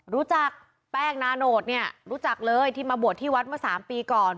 รู้จักแป้งนาโนตเนี่ยรู้จักเลยที่มาบวชที่วัดเมื่อ๓ปีก่อน